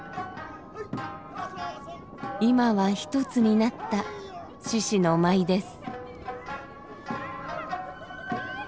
今は一つになった獅子の舞です。